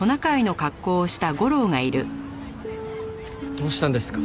どうしたんですか？